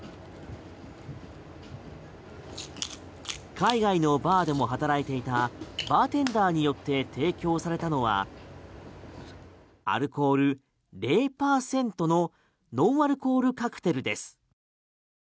海外のバーでも働いていたバーテンダーによって提供されたのはアルコール０％のノンアルコールカクテルです。